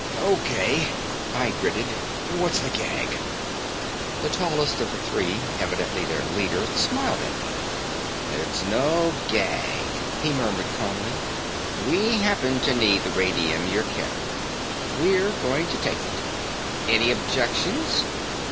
"Okay," I gritted, "what's the gag?" The tallest of the three, evidently their leader, smiled at me. "It's no gag," he murmured calmly, "we happen to need the radium you're carrying. We're going to take it. Any objections?"